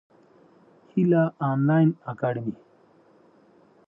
هیله انلاین اکاډمي.